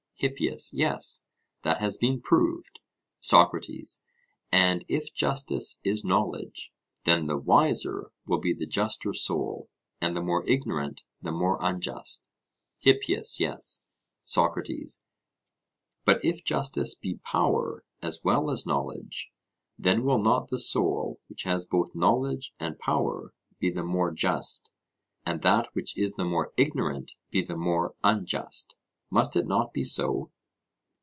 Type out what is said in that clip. HIPPIAS: Yes, that has been proved. SOCRATES: And if justice is knowledge, then the wiser will be the juster soul, and the more ignorant the more unjust? HIPPIAS: Yes. SOCRATES: But if justice be power as well as knowledge then will not the soul which has both knowledge and power be the more just, and that which is the more ignorant be the more unjust? Must it not be so?